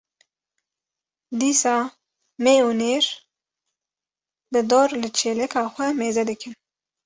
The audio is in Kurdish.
dîsa mê û nêr bi dor li çêlika xwe mêze dikin.